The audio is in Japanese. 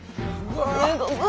うわ。